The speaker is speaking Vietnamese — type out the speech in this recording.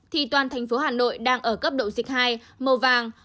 thì toàn thành phố hà nội đang ở cấp độ dịch hai màu vàng